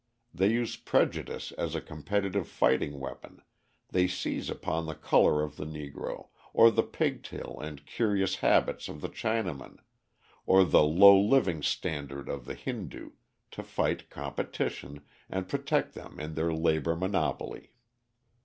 They use prejudice as a competitive fighting weapon, they seize upon the colour of the Negro, or the pig tail and curious habits of the Chinaman, or the low living standard of the Hindu, to fight competition and protect them in their labour monopoly.